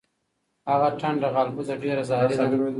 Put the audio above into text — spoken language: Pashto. هغه ټنډه غالبوزه ډیره زهری ده.